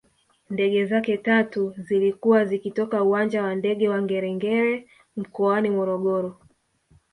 Ndege zake tatu zilikuwa zikitoka uwanja wa ndege wa Ngerengere mkoani Morogoro